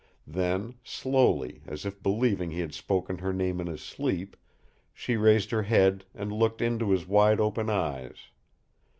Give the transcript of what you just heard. Then, slowly, as if believing he had spoken her name in his sleep, she raised her head and looked into his wide open eyes.